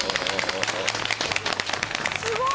すごい！